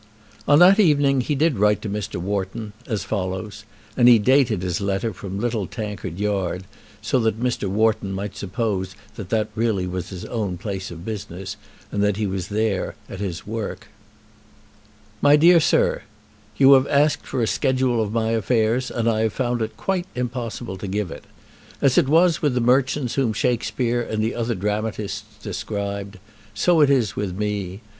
On that evening he did write to Mr. Wharton, as follows, and he dated his letter from Little Tankard Yard, so that Mr. Wharton might suppose that that was really his own place of business, and that he was there, at his work: MY DEAR SIR, You have asked for a schedule of my affairs, and I have found it quite impossible to give it. As it was with the merchants whom Shakespeare and the other dramatists described, so it is with me.